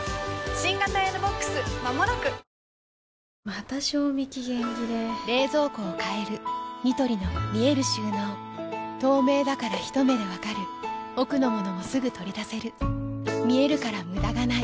また賞味期限切れ冷蔵庫を変えるニトリの見える収納透明だからひと目で分かる奥の物もすぐ取り出せる見えるから無駄がないよし。